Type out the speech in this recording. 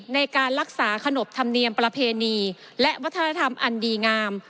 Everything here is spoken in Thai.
ในการรักษาขนบธรรมเนียมประเพณีและวัฒนธรรมอันดีงาม